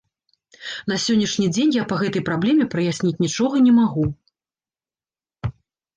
На сённяшні дзень я па гэтай праблеме праясніць нічога не магу.